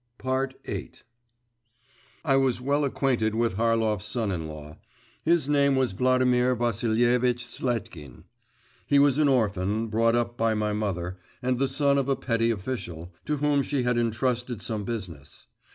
VIII I was well acquainted with Harlov's son in law. His name was Vladimir Vassilievitch Sletkin. He was an orphan, brought up by my mother, and the son of a petty official, to whom she had intrusted some business.